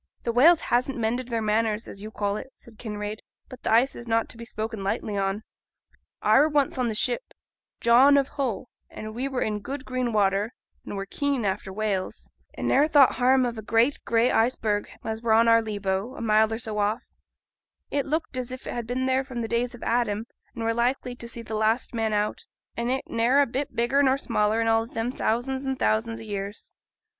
'Th' whales hasn't mended their manners, as you call it,' said Kinraid; 'but th' ice is not to be spoken lightly on. I were once in th' ship John of Hull, and we were in good green water, and were keen after whales; and ne'er thought harm of a great gray iceberg as were on our lee bow, a mile or so off; it looked as if it had been there from the days of Adam, and were likely to see th' last man out, and it ne'er a bit bigger nor smaller in all them thousands and thousands o' years.